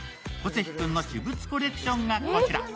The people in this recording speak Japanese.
小関君の私物コレクションがこちら。